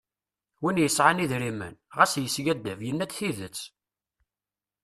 Win yesɛan idrimen. ɣas yeskadeb. yenna-d tidet.